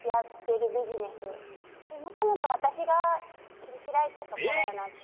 あれもともと私が切り開いたところやなって。